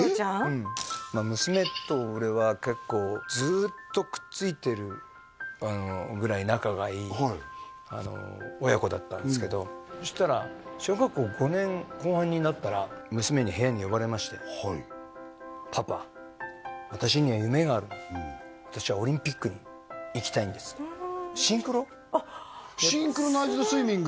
うん娘と俺は結構ずっとくっついてるぐらい仲がいい親子だったんですけどそしたら小学校５年後半になったら娘に部屋に呼ばれましてはいシンクロシンクロナイズドスイミング？